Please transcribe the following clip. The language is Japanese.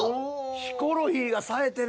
ヒコロヒーがさえてる。